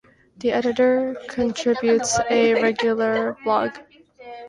The editor contributes a regular blog.